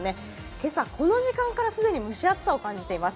今朝この時間から既に蒸し暑さを感じています。